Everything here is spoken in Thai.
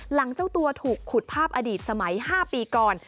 เจ้าตัวถูกขุดภาพอดีตสมัย๕ปีก่อน